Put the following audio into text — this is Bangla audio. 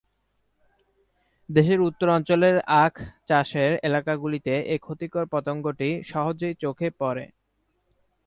দেশের উত্তর অঞ্চলের আখ চাষের এলাকাগুলিতে এ ক্ষতিকর পতঙ্গটি সহজেই চোখে পড়ে।